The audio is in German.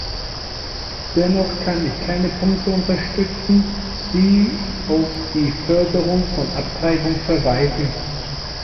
Dennoch kann ich keine Punkte unterstützen, die auf die Förderung von Abtreibung verweisen.